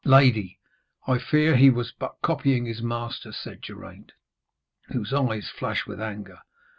'Lady, I fear he was but copying his master,' said Geraint, whose eyes flashed with anger.